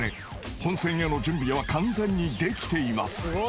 ［本戦への準備は完全にできています］